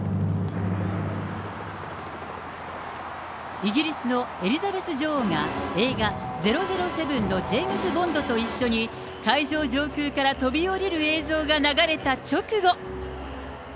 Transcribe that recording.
イギリスのエリザベス女王が、映画、００７のジェームズ・ボンドと一緒に会場上空から飛び降りる映像が流れた直後。